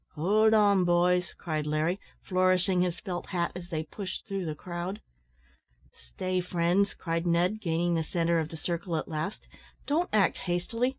"Howld on, boys," cried Larry, flourishing his felt hat as they pushed through the crowd. "Stay, friends," cried Ned, gaining the centre of the circle at last; "don't act hastily.